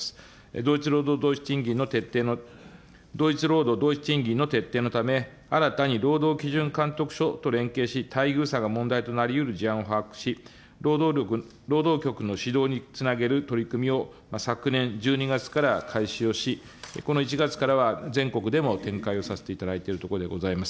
同一労働同一賃金の徹底の、同一労働同一賃金の徹底のため、新たに労働基準監督署と連携し、待遇差が問題となりうる事案を把握し、労働局の指導につなげる取り組みを昨年１２月から開始をし、この１月からは全国でも展開をさせていただいているところでございます。